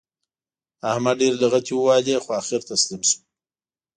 احمد ډېرې لغتې ووهلې؛ خو اخېر تسلیم شو.